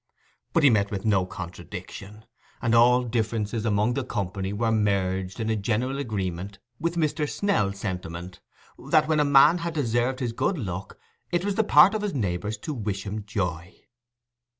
But he met with no contradiction; and all differences among the company were merged in a general agreement with Mr. Snell's sentiment, that when a man had deserved his good luck, it was the part of his neighbours to wish him joy.